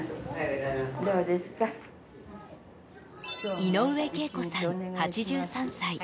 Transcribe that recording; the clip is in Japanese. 井上敬子さん、８３歳。